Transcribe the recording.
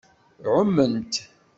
Ɛument.